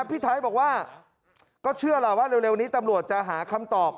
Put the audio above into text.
พี่ไทยบอกว่าก็เชื่อล่ะว่าเร็วนี้ตำรวจจะหาคำตอบ